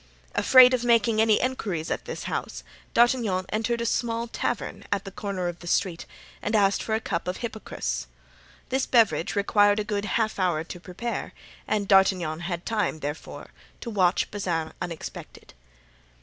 Afraid of making any inquiries at this house, D'Artagnan entered a small tavern at the corner of the street and asked for a cup of hypocras. This beverage required a good half hour to prepare. And D'Artagnan had time, therefore, to watch Bazin unsuspected.